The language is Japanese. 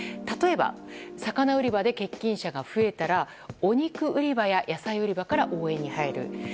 例えば、魚売り場で欠勤者が増えたらお肉売り場や野菜売り場から応援に入る。